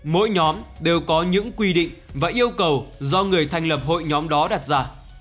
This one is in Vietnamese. mỗi nhóm đều có những quy định và yêu cầu do người thành lập hội nhóm đó đặt ra